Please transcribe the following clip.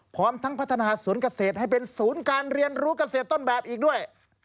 พร้อมทั้งพัฒนาศูนย์เกษตรให้เป็นศูนย์การเรียนรู้เกษตรต้นแบบอีกด้วย